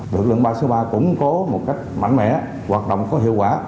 lực lượng ba trăm sáu mươi ba củng cố một cách mạnh mẽ hoạt động có hiệu quả